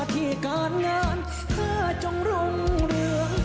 ที่การงานเธอจงรุ่งเรือง